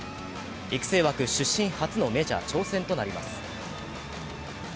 育成枠出身初のメジャー挑戦となります。